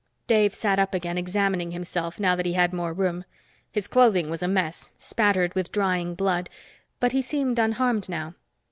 Dave sat up again, examining himself, now that he had more room. His clothing was a mess, spattered with drying blood, but he seemed unharmed now.